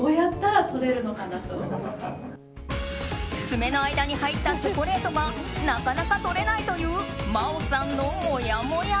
爪の間に入ったチョコレートがなかなか取れないという真央さんのもやもや。